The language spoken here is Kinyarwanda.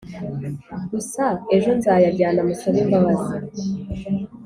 gusa ejo nzayajyana musabe imbabazi